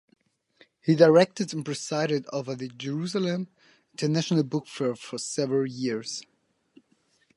He directed and presided over the Jerusalem International Book Fair for several years.